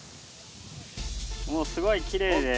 もうすごいきれいです。